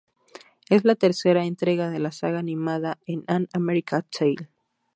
Es la tercera entrega de la saga animada de An American Tail.